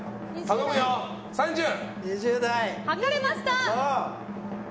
測れました！